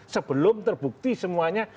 sebelum terbukti semuanya